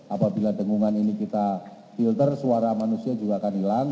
apabila dengungan ini kita filter suara manusia juga akan hilang